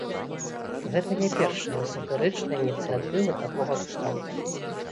Гэта не першая сатырычная ініцыятыва такога кшталту.